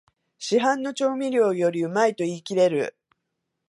市販の調味料よりうまいと言いきれる